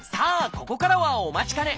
ここからはお待ちかね！